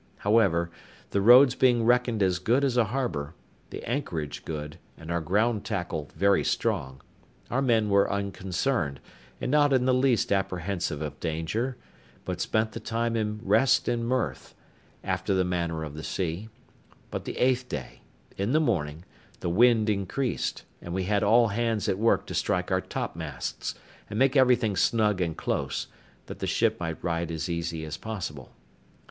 However, the Roads being reckoned as good as a harbour, the anchorage good, and our ground tackle very strong, our men were unconcerned, and not in the least apprehensive of danger, but spent the time in rest and mirth, after the manner of the sea; but the eighth day, in the morning, the wind increased, and we had all hands at work to strike our topmasts, and make everything snug and close, that the ship might ride as easy as possible.